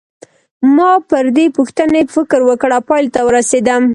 ما پر دې پوښتنې فکر وکړ او پایلې ته ورسېدم.